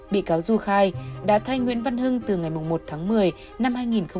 bị cáo du khai đã thay nguyễn văn hưng từ ngày một tháng một mươi năm hai nghìn một mươi